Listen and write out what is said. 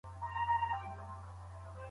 پنځوس او لس؛ شپېته کېږي.